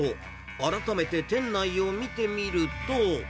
改めて店内を見てみると。